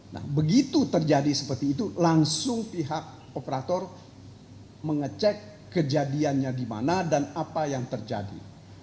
nah begitu terjadi seperti itu langsung pihak operator mengecek kejadiannya di mana dan apa yang terjadi